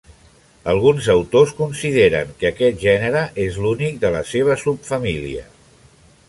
Alguns autors consideren que aquest gènere és l'únic de la seva subfamília.